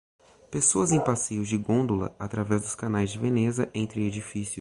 Pessoas em passeios de gôndola através dos canais de Veneza entre edifícios.